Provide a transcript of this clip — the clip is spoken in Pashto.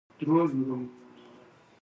غزني د افغانستان په طبیعت کې مهم رول لري.